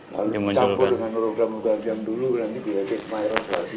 lalu dicampur dengan hologram juga yang dulu nanti biar kayak kekmairas lagi